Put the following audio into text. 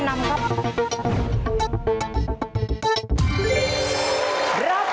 ใช้๕๕๐บาทครับ